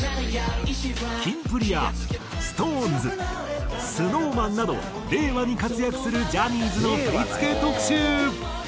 キンプリやＳｉｘＴＯＮＥＳＳｎｏｗＭａｎなど令和に活躍するジャニーズの振付特集。